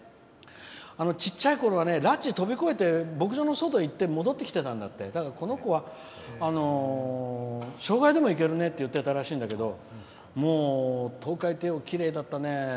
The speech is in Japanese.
ちっちゃいころはらち飛び越えて牧場の外へ行って戻ってきてたんだってこの子は障害でもいけるねって言ってたらしいんだけどトウカイテイオーきれいだったね。